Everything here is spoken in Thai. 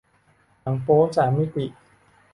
หนังโป๊สามมิติ